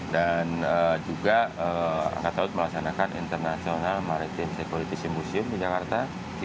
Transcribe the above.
dan juga angkatan laut melaksanakan international maritime security symposium di jakarta